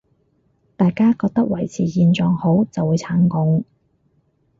大家覺得維持現狀好，就會撐共